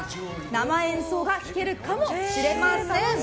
生演奏が聴けるかもしれません。